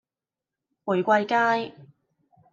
玫瑰街